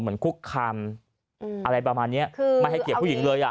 เหมือนคุกคำอะไรประมาณนี้ไม่ให้เกลียดผู้หญิงเลย